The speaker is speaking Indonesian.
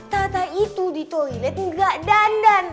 tata itu di toilet nggak dandan